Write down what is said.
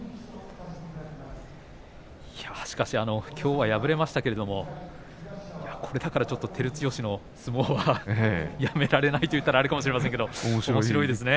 しかし、きょうは敗れましたけれどこれだからちょっと照強の相撲は、やめられないと言ったらあれかもしれませんけれどもおもしろいですね。